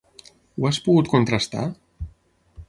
Ho has pogut contrastar?